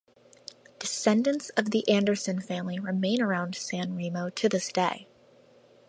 Descendants of the Anderson family remain around San Remo to this day.